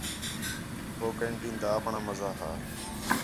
ہو کینٹین تا آپݨاں مزہ ہا